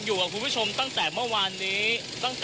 ติดตามการรายงานสดจากคุณทัศนายโค้ดทองค่ะ